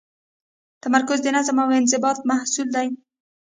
تمرکز د نظم او انضباط محصول دی.